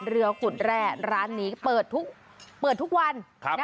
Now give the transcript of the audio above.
กุดแร่ร้านนี้เปิดทุกวัน